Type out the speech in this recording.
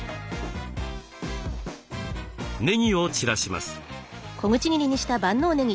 ねぎを散らします。